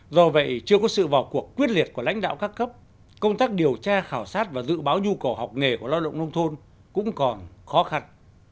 do vậy chưa có sự vào cuộc quyết liệt của lãnh đạo các cấp công tác điều tra khảo sát và dự báo nhu cầu học nghề của lao động nông thôn cũng còn khó khăn